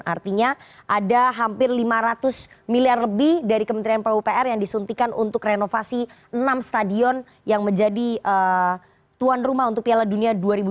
artinya ada hampir lima ratus miliar lebih dari kementerian pupr yang disuntikan untuk renovasi enam stadion yang menjadi tuan rumah untuk piala dunia dua ribu dua puluh